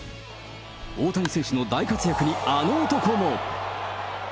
大谷選手の大活躍に、あの男も。